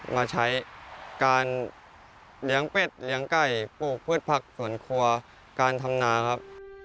มาใช้การเลี้ยงเป็ดเลี้ยงไก่ปลูกพืชผักสวนครัวการทำนาครับ